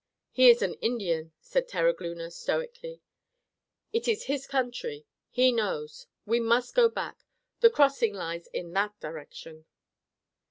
"He is an Indian," said Terogloona, stoically. "It is his country. He knows. We must go back. The crossing lies in that direction."